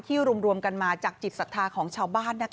ที่รวมกันมาจากจิตศักดิ์ศาสตร์ของชาวบ้านนะคะ